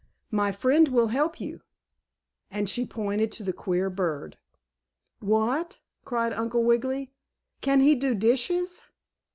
My friend will help you," and she pointed to the queer bird. "What?" cried Uncle Wiggily. "Can he do dishes?"